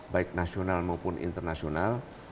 baik nasional maupun internasional